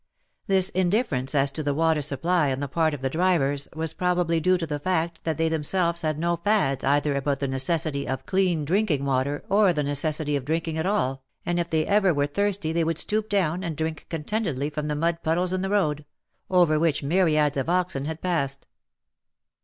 This indifference as to the water supply on the part of the drivers was probably due to the fact that they themselves had no fads either about the necessity of clean drinking 86 WAR AND WOMEN water or the necessity of drinking at all, and if they ever were thirsty they would stoop down and drink contentedly from the mud puddles in the road — over which myriads of oxen had passed.